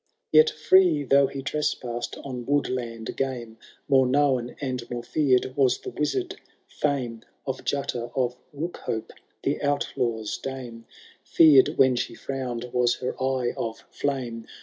Yet free though he trespassed on woodland game, More known and more feared was the wizard feme Of Jutta of Bookhope, the Outlaw^s dame ; Feared when she frowned was her eye of flame.